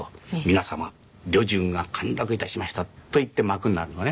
「皆様旅順が陥落致しました」と言って幕になるのね。